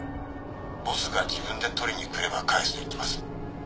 ボスが自分で取りにくれば返すと言ってます。